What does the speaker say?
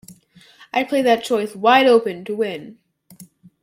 I play that choice wide open to win.